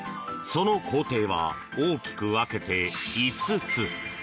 その工程は大きく分けて５つ。